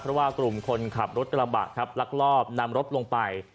เพราะว่ากลุ่มคนขับรถกระบะครับลักลอบนำรถลงไป